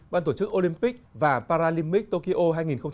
ban tổ chức olympic và paralymic tokyo hai nghìn hai mươi